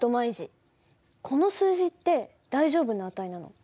この数字って大丈夫な値なの？